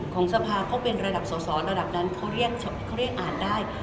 ของสภาพเขาเป็นระดับสอดระดับนั้นเขาเรียกอ่านได้